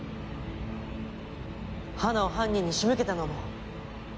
花を犯人に仕向けたのも？